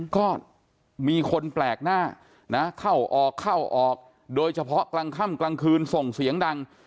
ก็มีคนแปลกหน้านะเข้าออกเข้าออกโดยเฉพาะกลางค่ำกลางคืนส่งเสียงดัง